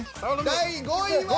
第５位は。